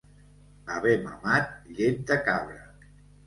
Haver mamat llet de cabra.